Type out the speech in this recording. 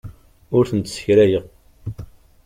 Ur tent-ssekrayeɣ.